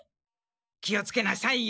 気をつけなさいよ。